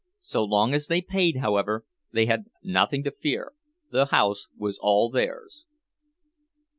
So long as they paid, however, they had nothing to fear, the house was all theirs.